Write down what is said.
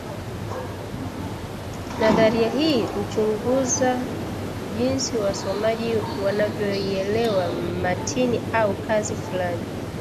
Nadharia hii huchunguza jinsi wasomaji wanavyoielewa matini au kazi fulani